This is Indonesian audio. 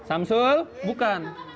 udah samsul bukan